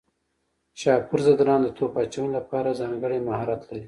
شاپور ځدراڼ د توپ اچونې لپاره ځانګړی مهارت لري.